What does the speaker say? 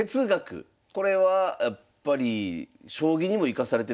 これはやっぱり将棋にも生かされてるんすか？